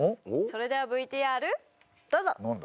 それではＶＴＲどうぞ！